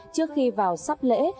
trước khi vào sắp lễ